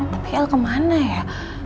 tapi el kemana ya